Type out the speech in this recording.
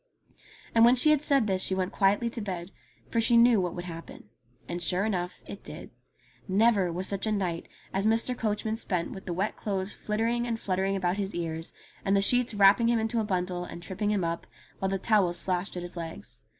And when she had said this she went quietly to bed, for she knew what would happen. And sure enough it did. Never was such a night as Mr. Coachman spent with the wet clothes flittering and fluttering about his ears, and the sheets wrapping him into a bundle, and tripping him up, while the towels slashed at his legs.